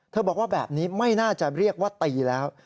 บอกว่าแบบนี้ไม่น่าจะเรียกว่าตีแล้ว